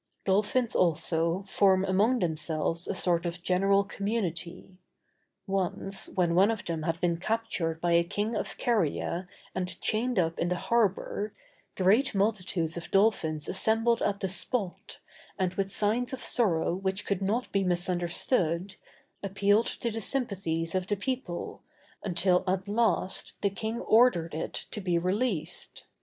Dolphins, also, form among themselves a sort of general community. Once, when one of them had been captured by a king of Caria and chained up in the harbor, great multitudes of dolphins assembled at the spot, and with signs of sorrow which could not be misunderstood, appealed to the sympathies of the people, until at last the king ordered it to be released.